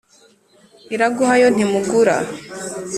Iraguha yo ntimugura